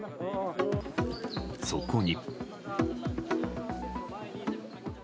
そこに。